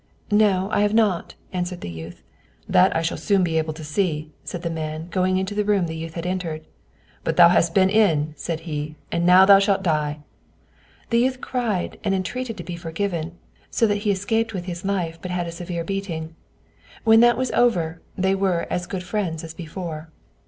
"No, I have not," answered the youth. "That I shall soon be able to see," said the man, going into the room the youth had entered. "But thou hast been in," said he, "and now thou shalt die." The youth cried and entreated to be forgiven, so that he escaped with his life but had a severe beating; when that was over, they were as good friends as before.